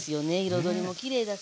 彩りもきれいだし。